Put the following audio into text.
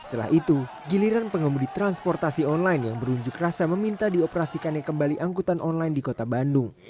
setelah itu giliran pengemudi transportasi online yang berunjuk rasa meminta dioperasikannya kembali angkutan online di kota bandung